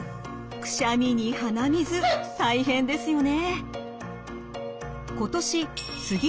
くしゃみに鼻水大変ですよね。